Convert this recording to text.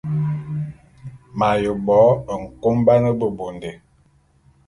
Ma’yiane bo nkoban bebondé.